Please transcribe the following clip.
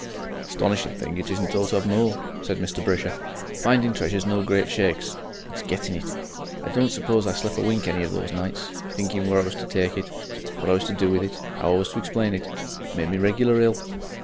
"'Stonishing thing it isn't thought of more," said Mr. Brisher. "Finding treasure's no great shakes. It's gettin' it. I don't suppose I slep' a wink any of those nights, thinking where I was to take it, what I was to do with it, 'ow I was to explain it. It made me regular ill.